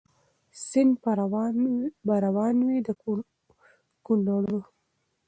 سیند به روان وي د کونړونو